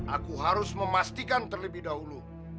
aku harus memastikan terlebih dahulu